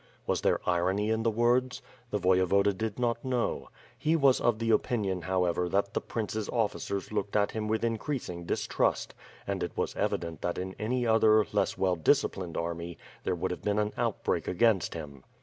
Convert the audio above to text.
Was there irony in the words? The Voye voda did not know. He was of the opinion, however, that the Prince's officers looked at him with increasing distrust, and it was evident that in any other, less well disciplined army, there would have been an outbreak against him.